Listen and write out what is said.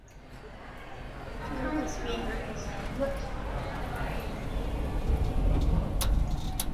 The current Speaker is Rt.